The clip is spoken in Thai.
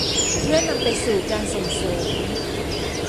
เพื่อนำไปสู่การส่งเสริม